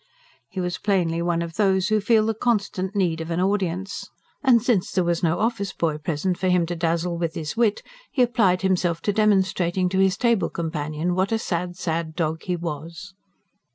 He was plainly one of those who feel the constant need of an audience. And since there was no office boy present, for him to dazzle with his wit, he applied himself to demonstrating to his table companion what a sad, sad dog he was.